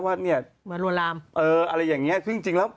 ว่าเนี่ยมาลวนลามเอออะไรอย่างเงี้ยซึ่งจริงแล้ว